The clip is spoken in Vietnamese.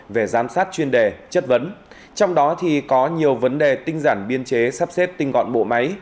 về giám sát chuyên đề chất vấn trong đó thì có nhiều vấn đề tinh giản biên chế sắp xếp tinh gọn bộ máy